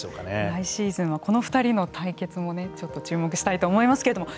来シーズンはこの２人の対決もちょっと注目したいと思いますけれども。